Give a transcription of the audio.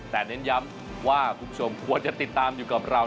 แต่เน้นย้ำว่าคุณผู้ชมควรจะติดตามอยู่กับเรา